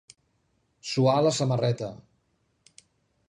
Suar la samarreta.